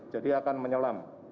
jadi akan menyelam